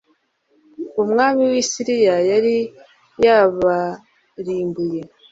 umwami w’i Siriya yari yabarimbuye